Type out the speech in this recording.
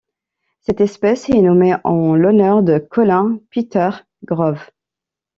Cette espèce est nommée en l'honneur de Colin Peter Groves.